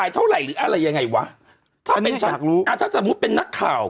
ไอเท่าไหร่หรืออะไรยังไงวะมีการรู้อ่าถ้าสมมุติเป็นนักข่าว